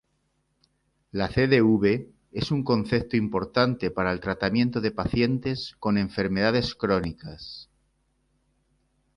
La CdV es un concepto importante para el tratamiento de pacientes con enfermedades crónicas.